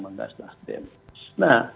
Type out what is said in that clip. menggagas nasdem nah